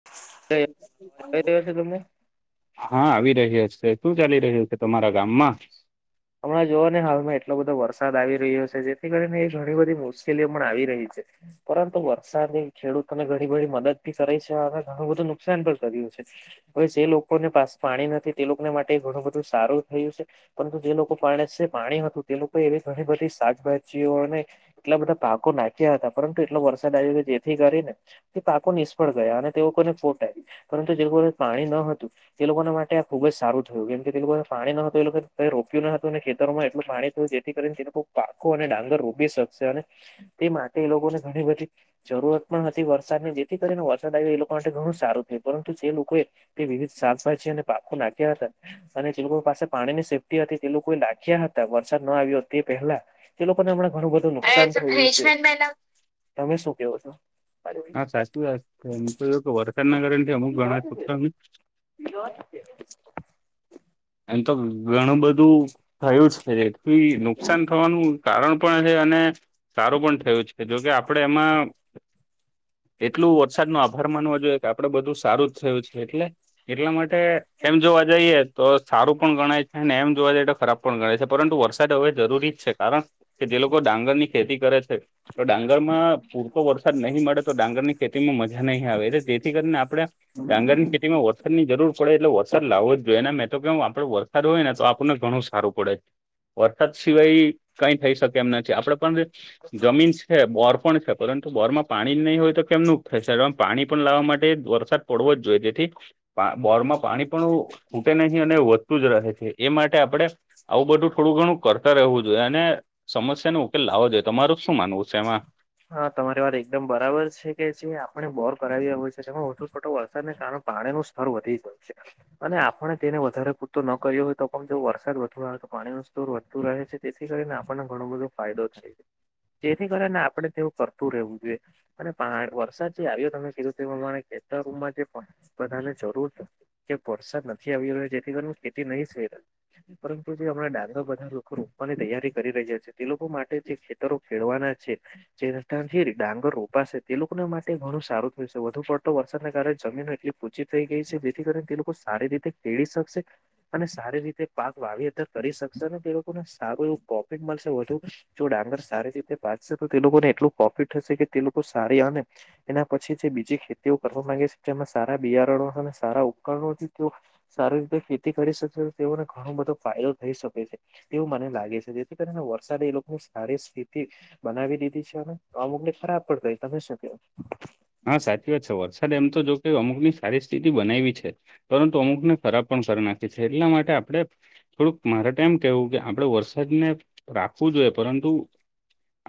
તે [inaudible] કરી દેવાશે તમને? હા, આવી રહ્યા છે. શું ચાલી રહ્યું છે તમારા ગામમાં? હમણાં જોઓ ને હાલમાં એટલો બધો વરસાદ આવી રહ્યો છે જેથી કરીને ઘણી બધી મુશ્કેલી પણ આવી રહી છે. પરંતુ વરસાદ ની ખેડૂત તમે ઘણી બધી મદદી કરે છે અને ઘણું બધું નુકસાન પણ કર્યું છે. હવે જે લોકોને પાસ પાણી નથી તે લોકોને માટે ઘણું બધું સારું થયું છે. પરંતુ જે લોકો પાણી છે પાણી હતું તે લોકો એવી ઘણી બધી શાકભાજી ઓને એટલા બધા પાકો નાખ્યા હતા પરંતુ એટલો વરસાદ આવ્યો કે જેથી કરી ને તે પાકો નિષ્ફળ ગયા અને તે લોકોને ફોટ આવી પરંતુ જે લોકોને પાણી ન હતું. તે લોકોને માટે આ ખુબ જ સારું થયું કેમ કે તે લોકોને પાણી ન હતું એ લોકો રોપ્યું ન હતું અને ખેતરોમાં એટલું પાણી થયું જે થી કરીને તે લોકો પાખું અને ડાંગર રોબી શકશે અને તે માટે એ લોકોને ઘણી બધી જરૂરત પણ હતી વરસાદની જેથી કરીને વરસાદ આવ્યો એ લોક માટે ઘણું સારું થય પરંતુ જે લોકોએ તે વિવિધ શાકભાજી અને પાકો નાખ્યા હતા અને જે લોકો પાસે પાણી ની સેફ્ટી હતી તે લોકો એ લાખ્યા હતા વરસાદ ના આવ્યો તે પહેલા તે લોકોને હમણા ઘણું બધું નુકસાન થયું છે. તમે શું કેવો છો? હા, સાચું વાત એમ તો વરસાદ ના કારણ થી અમુક ગણા પુષ્કર છો ને [unintelligible] એમ તો ઘણું બધું થયું જ છે જેથી નુકસાન થવાનું કારણ પણ છે અને સારું પણ થયું છે જોકે આપડે એમાં એટલું વરસાદ નો આભાર માનવ જોએ આપડે બધું સારું જ થયું છે. એટલે એટલા માટે એમ જોવા જાઈએ તો સારું પણ ગણાય છે અને એમ જોવા જઈએ તો ખરાબ પણ ગણાય છે પરંતુ વરસાદ હવે જરૂરી જ છે કારણ કે જે લોકો ડાંગર ની ખેતી કરે છે તો ડાંગર માં પૂરતો વરસાદ નહીં મળે તો ડાંગર ની ખેતીમાં મજા નહી આવે એટલે જેથી કરીને આપડણે ડાંગર ની ખેતીમાં વરસાદની જરૂર પડે એટલે વરસાદ લાવો જ જોઈએ એ મે તો કેમ આપડો વરસાદ હોય ને તો આપણને ઘણું સારું પડે વરસાદ સિવાય કઈ થઈ શકે એમ નથી આપડે પણ જમીન છે બોર પણ છે પરંતુ બોર માં પાણી નહીં હોય તો કેમ નુ થાય પાણી પણ લાવવા માટે વરસાદ પડવો જ જોઈએ તેથી બોરમાં પાણી પણ નહી અને વધતું જ રહે છે એ માટે આપણે આવું બધું થોડું ઘણું કરતા રહેવું જોઈએ અને સમસ્યા ન લાવો જોઈએ તમાર શું માનવું છે એમાં હા તમારી વાત એકદમ બરાબર છે કે જે આપણે બોર કરાવ્યા હોય છે જેમાં ઓટો છોટો વરસાદ ને કારણ પાણી ન સારૂ વધી શકશે અને આપણે તેને વધારે પૂરતો ન કર્યો હોય તો પણ જો વરસાદ વધુ આવે તો પાણીનું સ્તુર વધતું રહે છે. તેથી કરીને આપણને ઘણો બધો ફાયદો થાય છે. તેથી કરીને આપણે તેવું કરતું રહેવું જોઈએ અને પહાડ પર વરસાદ જે આવ્યો તમે કીધું તે પ્રમાણે ખેતરુમાં જે પા બધાને જરૂર કે વરસાદ નથી આવી રહ્યો જેથી કરીન ખેતી નહી પરંતુ જે હમણા દા [unintelligible] બધા લોકોનું પણની તૈયારી કરી રહ્યા છે તે લોકો માટે જે ખેતરો ખેડવાના છે. જે રસ્તામાંથી ડાંગર રોપાશે તે લોકોને માટે ઘણું સારું થશે વધુ પડતો વરસાદને કારણે જમીન એટલી ઓછી થઈ ગઈ છે. જેથી કરીને તે લોકો સારી રીતે ખેળી શકશે. અને સારી રીતે પાક વાવેઅતર કરી શકશે ને તે લોકોને સારું એવું પ્રોફિટ મળશે વધુ જો ડાંગર સારી રીતે પાકશે તો તે લોકોને એટલું પ્રોફિટ થશે કે તે લોકો સારી અને એના પછી જે બીજી ખેતીઓ કરવા માંગે છે. જેમાં સારા બિયારણો અને સારા ઉપકરણોથી તેઓ સારી રીતે ખેતી કરી શકેશે તો તેઓને ઘણો બધો ફાયદો થઈ શકે છે. તેવું માનવામાં લાગે છે. જેથી કરીને વરસાદ એ લોકોની સારી સ્થિતિ બનાવી દીધી છે અને આમુકની ખરાબ પણ ગય. તમે શું ક્યો? હા સાચી વાત છે. વરસાદ એમ તો જો કે અમુકની સારી સ્થિતિ બનાયવી છે. પરંતુ અમુકને ખરાબ પણ કરી નાખી છે એટલા માટે આપણે થોડુંક મારા એમ કેહવું કે આપડે વરસાદને રાખવું જોઈએ પરંતુ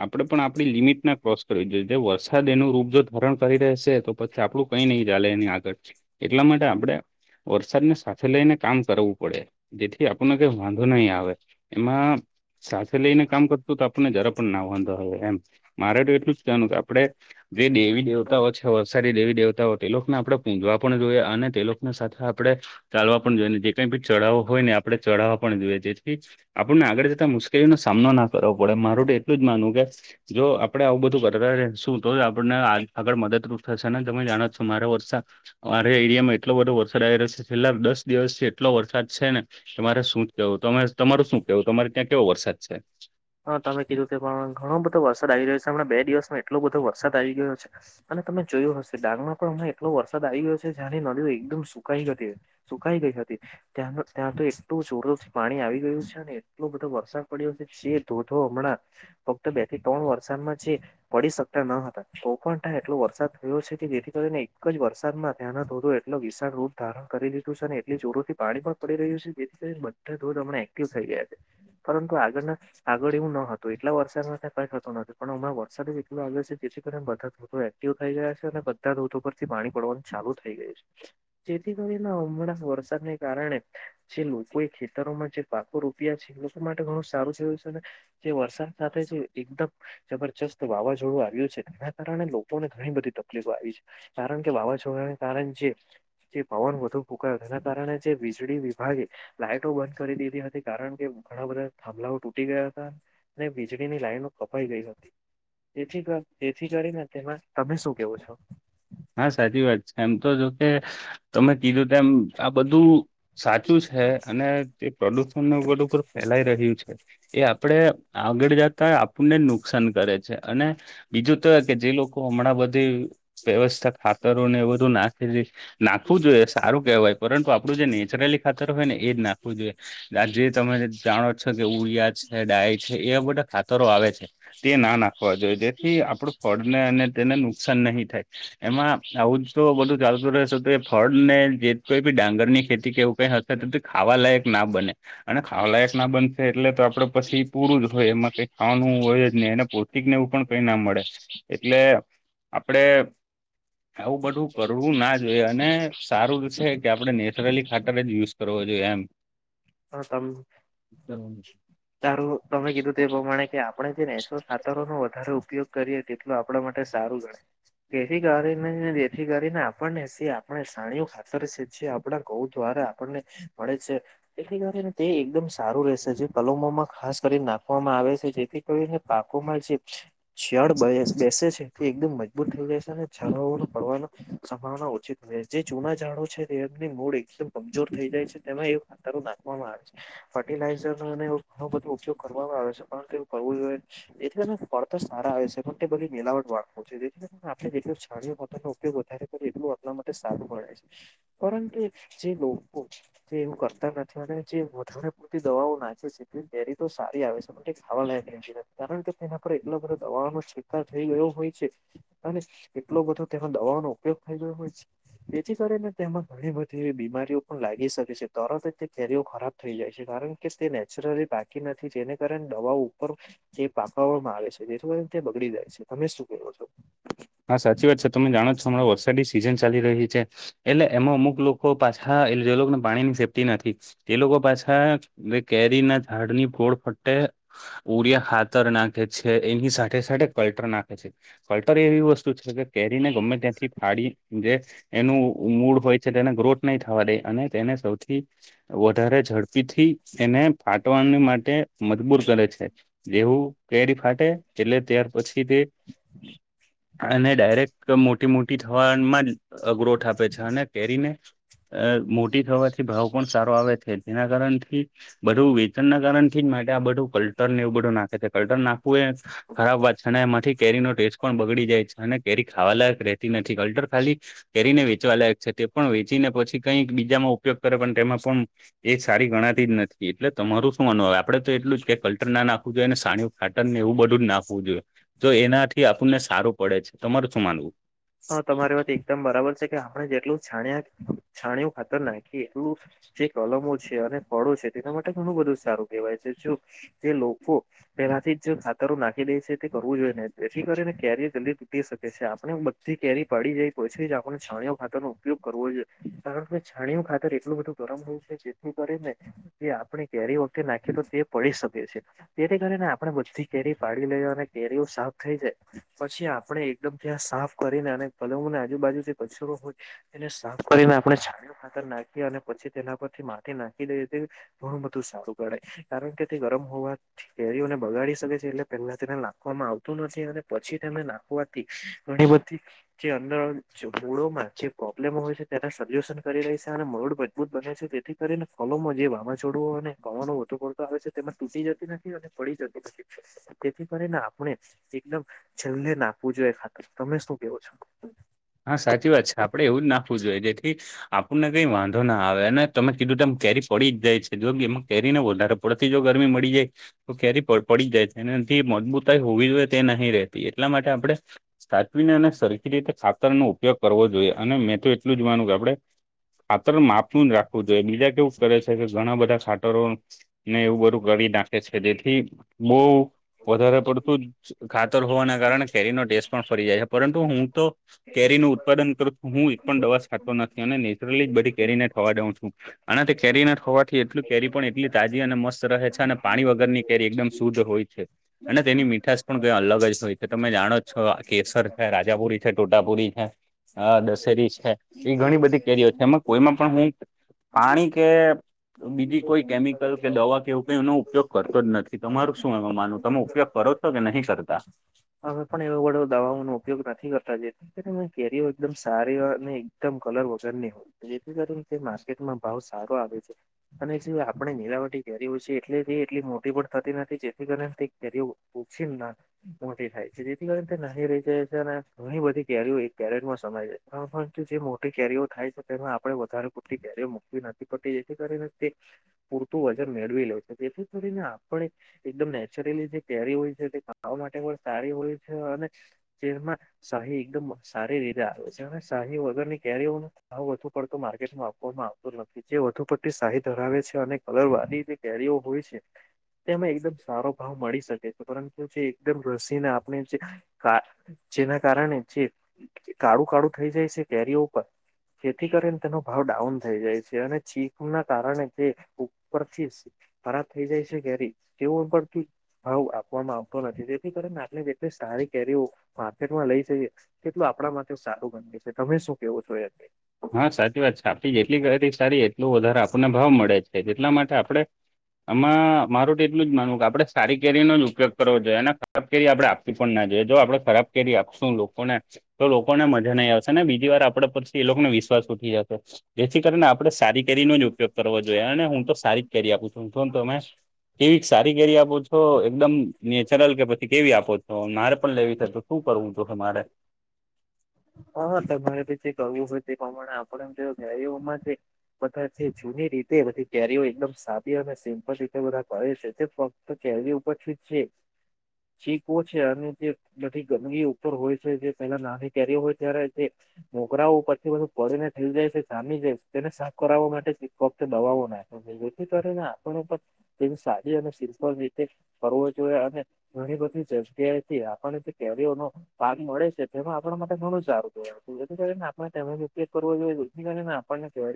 આપણેે પણ આપડી લિમિટના ક્રોસ કરવી જોઈએ. જે વરસાદ એનું રૂપ જો ધા ધારણ કરી રહેશે. તો પછી આપડું કંઈ નહી ચા ચાલે એનાં આગળથી એટલા માટે આપણે વરસાદને સાથે લઈને કામ કરવું પડે જેથી આપણને કઈ વાંધો નહીં આવે. એમાં સાથે લઈને કામ કરતું તો આપણને જરા પણ ના વાંધો આવે એમ. મારે તો એટલું જ કેવાનું કે આપડે જે દેવી દેતાઓ છે વરસાદી દેવી દેવતાઓ તે લોકને આપણે પૂંજવા પણ જોઈએ અને તે લોકને સાથે આપણે છો ચાલવા પણ જોઈએ. અને જે કંઈ ભી ચઢાવો હોય ને આપણે ચઢાવા પણ જોઈએ. જેથી આપણને આગળ જતાં મુશ્કેલીનો સામનો ના કરવો પડે. મારું તો એટલું જ માનવું કે જો આપડે આવું બધું કરતા રહેશું તોજ આપણને આગ આગળ મદદરૂપ થશેને તમે જાણો જ છો. મારે વર્ષા અમારે એરિયામાં એટલો બધો વરસાદ આવી રહ્યો છે. છેલ્લા ડસ ડિવસથી એટલો બધો વરસાદ છે ને કે મારે શું જ કેવું. તમારે તમારું શું કેવું? તમારે ત્યાં કેવો વરસાદ છે? હા. તમે કીધું તે પણ ઘણો બધો વરસાદ આવી રહ્યો છે. હમણા બે ડિવસમાં એટલો બધો વરસાદ આવી ગયો છે. અને તમે જોયો હશે. ડાંગમાં પણ હમણા એટલો વરસાદ આવી ગયો છે જ્યાંની નદીઓ એકદમ સુકાઈ જતી હતી સુકાઈ ગઈ હતી. ત્યાંનો ત્યાં તો એટલું જોરદોરથી પાણી આવી ગયું છે અને એટલો બધો વરસાદ પડ્યો છે. જે ધોધો હમણાં ફક્ત બે થી ત્રણ વરસાદમાં છે. પડી શકતા ન હતા. તોપણ ત્યાં એટલો વરસાદ થયો છે કે જેથી કરીને એક જ વરસાદમાં ત્યાંનાં ધોધો એટલો વિશાળ રૂપ ધારણ કરી લીધું છેને એટલી જોરોથી પાણી પણ પડી રહ્યું છે. જેથી કરીને બધા ધોધ હમણે એક્ટિવ થઈ ગયા છે પરંતુ આગળના આગળ એવું ન હતું. એટલા વરસાદમાં તો કંઈ થતું નહોતું પણ હમણા વરસાદ જ એટલો આવ્યો છે જેથી કરીને બધા ધોધો એ એક્ટિવ થઈ ગયા છે અને બધા ધોધો પરથી પાણી પડવાનું ચાલુ થઈ ગયું છે. જેથી કરીને હમણાં વરસાદને કારણે જે લોકોએ ખેતરોમાં જે પાકો રોપ્યા છે. એ લોકો માટે ઘણું સારું છે જે વરસાદ સાથે છે એકદમ જબરજસ્ત વાવાઝોડું આવ્યું છે. એના કારણે લોકોને ઘણી બધી તકલીફો આવી છે. કારણ કે વાવાઝોડાંને કારણ જે જે પવન વધુ ફૂંકાયો તેના કારણે જે વીજળી વિભાગે લાઈટો બંધ કરી દીધી હતી. કારણ કે ઘણાં બધાં થાંભલાઓ ટૂ ટી ગયા હતા અને વીજળીની લાઈનો કપાઈ ગઈ હતી. તેથી ક તેથી કરીને તેમાં તમે શું કેવો છો? હા, સાચી વાત છે એમ તો જોકે તમે કીધું તેમ આ બધું સાચું છે અને તે પ્રદૂષણ ઉપર ઉપર ફેલાઈ રહ્યું છે. એ આપડે આગળ જતા આપણને નુકસાન કરે છે અને બીજું તો કે જે લોકો હમણાં બધી વ્યવસ્થા ખાતરોને એ બધું નાખલી નાખવું જોઈએ સારું કહેવાય પરંતુ આપડું જે નેચરલી ખાતર હોય ને એ જ નાખવું જોઈએ. આજે તમે જાણો છો કે ઉડિયા છે ડાય છે એવા બધા ખાતરો આવે છે. તે ના નાખવા જોઈએ જેથી આપડું ફળને અને તેને નુકસાન નહીં થાય. એમાં આવું જ તો બધું ચાલતું રહેશે તો ફળ ને જે કોઈ બી ડાંગર ની ખેતી કેવું કઈ હ તેથી ખાવાલાયક ના બને. અને ખાવાલાયક ના બનશે એટલે તો આપડે પછી પૂરું જ હોય એમાં કઈ ખાવાનું હોય જ નહી એના પોસ્ટિકને એવું પણ કઈ ના મળે એટલે આપડે આવું બધું કરવું ના જોઈએ અને સારું છે કે આપડે નેચરલી ખાતર જ યુઝ કરવો જોઈએ એમ. હ તમ તારું તમે કીધું તે પ્રમાણે કે આપ આપડે જે નનેસો ખાતરો નો વધારે ઉપયોગ કરીએ તેટલા આપડા માટે સારું ગણે. જેથી કરીને જેથી કરીને આપણને આપણે સાણી ખાતર તરે સ જે આપડાણા ક થું આપણ ને મડે છે. તેથી કરીને તે એકદમ સારું રહેશે જે કલમોમાં ખાસ કરીને નાખવામાં આવે છે જેથી તો પાકો માં જે છિયાલ બે બેસે છે તે એકદમ મજબૂત થઈ રહે છે અને ઝળ પડવાની સંભાવના ઓછિત હો છે જે જૂના ઝાડો છે તેની મૂડ એકદમ કમજોર થઇ જાય છે તેમાં એ ખાતારો નાખવામાં આવે છે. ફર્ટિલાઈઝર ઘણો બધો ઉપયોગ કરવામાં આવે છે પરંતુ એવું કરવું જોઈએ. એથી એના ફળ તો સારા આવે છે પણ તે બધી મનીલાવટ વાળવ છે જેથી આપણે જેટલ છણી પોનો ઉપયોગ વધારે એટલું એટલા માટે સારું પડે છે કારણ કે જે લોકો જે એવું કર નથી અને જે વધારે પૂરતી દવાઓ નાખે છે ધલી ડેરી તો સારી આવે છે પણ ખાવા લાયક નથી રે કારણ કે તેના પર એટલો બધ દવાનો છીટકાવ થઈ ગયો હોય છે અને કેટલો બધો તે દવા નો ઉપયોગ થઈ ગયો હોય છે તેથી કરીને તેમાં ઘણી બધી એવી બીમારીઓ પણ લાગી શકે છે તરત એ કેરીઓ ખરાબ થઈ જાય છે, કારણ કે તે નેચરલી બાકી નથી, જેને કારણે દવા ઉપર તે પાખવામાં આવે છે, જે થો તે બગડી જાય છે, તમે શું કેવો છો. હા, સાચી વાત છે, તમે જાણો છો, હમણાં વરસાદી સિઝન ચાલી રહી છે. એટલે એમાં અમુક લોકો પાછા એટલે જે લોકોને, પાણીની સેફ્ટ નથી, તે લોકો પાછા કેરીના ઝાડ ની ગોળ ફરતે. ઉરિયા ખાતર નાખે છે, એની સાથે સાથે કલટર નાખે છે. ફલ્ટર એવી વસ્તુ છે કે, કેરીને ગમે ત્યાંથી ફાડી જે એનું. મૂળ હોય છે, તેને ગ્રોથ નહીં થવા દે, અને તેને સૌથી વધારે ઝડપી થી, એને ફાટવાની માટે મજબૂર કરે છે. દેવું, કેરી ફાટે, એટલે ત્યાર પછી તે અને ડાયરેક્ટ મોટી-મોટી થવામાં ગ્રોથ આપે છે, અને કેરીને અ મોટી થવાથી ભાવ પણ સારો આવે છે, તેના કારણથી બધું વેતન ના કારણ થી જ માટે આ બધું કલ્ટર એવું બધું નાખે છે, કલ્ટન નાખવું એ. ખરાબ વાત છે, અને એમાંથી કેરીનો ટેસ્ટ પણ બગડી જાય છે, અને કેરી ખાવાલાયક રહેતી નથી, અલ્ટર ખાલી. તેરીને વેચવાલાયક છે, તે પણ વેચીને પછી કઈક બીજામાં ઉપયોગ કરે, પણ તેમાં પણ એ સારી ગણાતી જ નથી, એટલે તમારું શું અનુભવ આપડે તો, એટલું જ કે કલ્ટર નાખવું જોઈએ ને, સાણ હાટન ને, એવું બધું જ નાખવું જોઈએ, તો એનાથી આપણને સારું પડે છે, તમાર શું માનવું? હા, તમારી વાત એકદમ બરાબર છે કે, આપણે જેટલું છાણ્યા છાણું ખાતર નાખીએ એટલું. જે કલમો છે, અને ફળો છે, તેના માટે ઘણું બધું સારું કહેવાય છે, જો જે લોકો પેલાથી જ જે ખાતરો નાખી દે છે, તે કરવું જોઈએ ને, જેથી કરીને કેરયર જલ્દી તૂટી શકે છે, આપણે થી કેરી પડી જાય, પછી જ આપણે છાણીઓ ખાતર ન ઉપયોગ કરવો જોઈએ, કારણ કે છાણીયો ખાતર એટલું બધું. ગરમ હોય છે, જેથી કરીને જે આપણે કેરી વખતે નાખી તો તે પડી શકે છે. તેથી કરીને આપણે બધી કેરી પાડી લઈએ, અને કેરીઓ સાફ થઈ જાય, પછી આપણે એકદમ ત્યાં સાફ કરીને અને પલંગોને આજુબાજુ જે કચરો હોય, એને સાફ કરીને આપણે ખાતર નાખી, અને પછી તેના પરથી માટી નાખી દઈએ તે. ઘણું બધું સારું કરડે, કારણ કે તે ગરમ હોવા કેરીઓને બગાડી શકે છે, એટલે પહેલા તેને નાખવામાં આવતું નથી, અને પછી તેને નાખવાથી, ઘણી બધ ઠીક. જે અંદર મૂળોમાં જે પ્રોબ્લેમ હોય છે, તેના સોલ્યુશન કરી રહી છે, અને મૂળ મજબૂત બને છે તેથી કરીને ફલોમાં જે વાવાઝાડું અને પવનો વધો પડતા આવે છે, તેમાં તૂટી જતી નથી, અને પડી જતી નથી. તેથી કરીને, આપણે એકદમ છેલ્લે નાખવું જોઈએ, ખાતર તમે શું? કેવો છો? હા, સાચી વાત છે, આપડે એવું જ નાખવું જોઈએ, જેથી આપણને કઈ વાંધો ના આવે, અને તમે કીધું તેમ કેરી પડી જ જાય છે, જો એમાં કેરી ને વધારે ઉપથી જો ગરમી મળી જાય. તો કેરી પડ-પડી જાય છે, એથી મજબૂતાઈ હોવી જોઈએ, તે નહી રહેતી, એટલા માટે આપડે સાચવીને, અને સરખી રીતે ખાતરનો ઉપયોગ કરવો જોઈએ, અને મેતો એ ટલું જ માનું કે, આપડે આતર માપું રાખવું જોઈએ, બીજા કેવું કરે છે, કે ઘણા બધા ખા તરો ને એવું બધું કરી નાખે છે, જેથી બઉ વધારે પડતું જ ખાતર હોવાના, કારણે કેરીનો ટેસ્ટ પણ ફરી જાય છે, પરંતુ હું તો કેરીનું ઉત્પાદન કરું છું, હું એક પણ દવા છાંટતો નથી, અને નેચરલી બધી કેરીને થવા દઉં છું. અને તે કેરી ના થવાથી, એટલું કેરી પણ એટલી તાજી અને મસ્ત રહે છે, અને પાણી વગરની કેરી એકદમ શુદ્ધ હોય છે. અને તેની મીઠાશ પણ કઈ અલગ જ હો કે, તમે જાણો જ છો, કેસર છે, રાજાપુરી છે, ટો તાપુરી છે, દશેરી છે, એ ઘણી બધી કેરીઓ છે, એમાં કોઈમાં પણ હું પાણી કે બીજી કોઈ કેમિકલ કે દવા કેવું કઈ એનો ઉપયોગ કરતો જ નથી તમારું શું એનું માનવુ તમો પયોગ કરો છો કે નહી કરતા અમે પણ એવો [unintelligible] દવાઓ નો ઉપયોગ નથી કરતા જે [unintelligible] કેરીઓ એકદમ સારી હોય અને એકદમ કલર વગરની હોય જેથી કરી તે માર્કેટમાં ભાવ સારો આવે છે અને જે આપણે નીરાવટી કરીઓ છે એટલે તે એટલી મોટી પણ થતી નથી જેથી કરીને તે કેરીઓ ઓછી ના મોટી થાય છે જેથી કરીને તે નાની રહી જાય છે અને ઘણી બધી કેરીઓ એક કેરેટમા સમાય જાય હા પરંતુ જે મોટી કેરીઓ થાય છે તેમાં આપડે વધારે પૂરતી કેરીઓ મૂકવી નથી પડતી જેથી કરીને તે પૂરતું વજન મેળવી લે છે જેથી કરીને આપણે એકદમ નેચરલી જે કેરી હોય છે તે ખાવા માટે પણ સારી હોય છે અને જેમાં શાહી એકદમ સારી રીતે આવે છે અને શાહી વગરની કેરીઓ ને ભાવ વધુ પડતો માર્કેટમાં આપવામાં આવતો જ નથી જે વધુ પડતી શાહી ધરાવે છે અને કલર વાળી જે કેરીઓ હોય છે તેમાં એકદમ સારો ભાવ મળી શકે છે પરંતુ જે એકમ રસીને આપણે જે જેના કારણે જે કાળુ કાળુ થઈ જાય છે કેરીઓ ઉપર જેથી કરીને તેનો ભાવ ડાઉન થઈ જાય છે અને ચીકુના કારણે તે ઉપરથી ખરાબ થઈ જાય છે કેરી તેવો ઉપરથી ભાવ આપવામાં આવતો નથી તે થી કરીને આપણે જેટલી સારી કેરીઓ માર્કેટમાં લઈ જઈએ તેટલું આપણા માટે સારું બને છે તમે શું કેવુ [unintelligible] હા સાચી વાત છે આપડી જેટલી કેરી સારી એટલું વધારે આપણને ભાવ મળે છે એટલા માટે આપડે આમાં મારું તો એટલું જ માનવું કે આપડે સારી કેરીનો જ ઉપયોગ કરવો જોઈએ અને ખરાબ કેરી આપડે આપવી પણ ના જોઈએ જો આપડે ખરાબ કેરી આપશું લોકોને તો લોકોને મજા નઈ આવશે ને બીજી વાર આપડે પછી એ લોકોને વિ શ્વાસ ઉઠી જશે જેથી કરીને આપે સારી કેરીનો જ ઉપયોગ કરવો જોઈએ અને હું તો સારી કરી આપું છું અને તમે કેવી સારી કેેરી આપો છો એકદમ નેચરલ કે પછી કેવી આપો છો મારે પણ લેવી થતું. શું કરવું જો હ મારે? હા તમારે પછી કરવું હોય તે પ્રમાણે આપણેમ જો ગયમાં છે. બધા જે જૂની રીતે બધી કેરીઓ એકદમ સારી અને સિમ્પલ રીતેલે બધા કરે છે તે ફક્ત કેરી ઉપરછ જ છે. શીકવ છે અનેન જે. બી ગંદગી ઉપર હોય છે જે પેલા નાની કેરીયો હોય ત્યારે જે મોકરા પછી બછું પડીને થઈ જાય છે સામી જાય તેને સાફ કરાવવા માટે એક વખતે દબો નાખ જેથી કરીને આપણ પણ તેની સાદી અને સિફ રીતે કરવો જોઈએ અને ઘણી બધી જગ્યાએ થી આપણને જે કેરીઓનો ફાર્ મળે છે તેમાં આપણા માટે ઘણું સારું થું એું ને આપણેિક કરવો જોઈએ. આપણને કેરીઓ